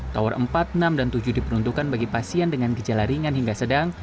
tower empat enam dan tujuh diperuntukkan bagi pasien dengan gejala ringan hingga sedang